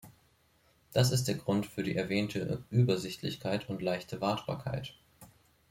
Das ist der Grund für die erwähnte Übersichtlichkeit und leichte Wartbarkeit.